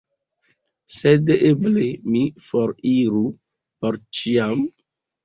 Sed eble mi foriru — por ĉiam?